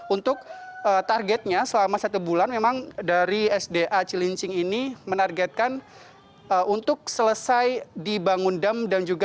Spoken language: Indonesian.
untuk targetnya selama satu bulan memang dari sda cilincing ini menargetkan untuk selesai dibangun damkar